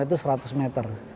itu seratus meter